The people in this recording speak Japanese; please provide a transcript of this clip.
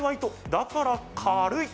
だから軽い。